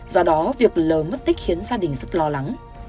do đó việc lờ mất tích khiến gia đình rất lo lắng